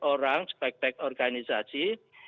orang sebaik baik organisasi